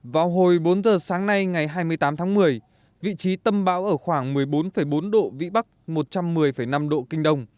vào hồi bốn giờ sáng nay ngày hai mươi tám tháng một mươi vị trí tâm bão ở khoảng một mươi bốn bốn độ vĩ bắc một trăm một mươi năm độ kinh đông